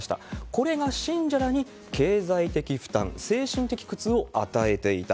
これが信者らに経済的負担、精神的苦痛を与えていた。